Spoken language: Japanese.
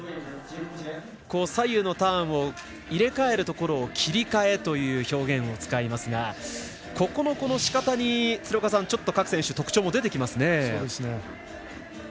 左右のターンを入れ替えることを切り替えという表現を使いますがここのしかたに、各選手特徴も出てきます。